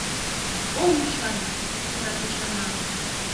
— Ом ӱшане! — кычкыра Тачана.